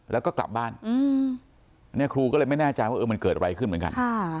แล้วก็กลับบ้านเนี่ยครูก็เลยไม่แน่ใจว่ามันเกิดอะไรขึ้นเหมือนกัน